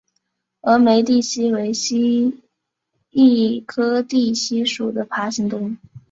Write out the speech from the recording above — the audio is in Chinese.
峨眉地蜥为蜥蜴科地蜥属的爬行动物。